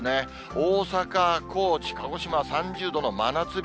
大阪、高知、鹿児島は３０度の真夏日。